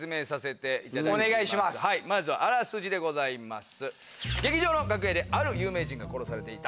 まずはあらすじでございます。